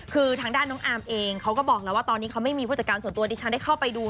คือทางด้านน้องอาร์มเองเขาก็บอกแล้วว่าตอนนี้เขาไม่มีผู้จัดการส่วนตัวดิฉันได้เข้าไปดู